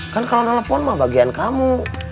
kan kalau nelfon mah bagian kamu